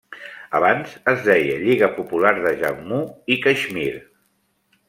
Abans es deia Lliga Popular de Jammu i Caixmir.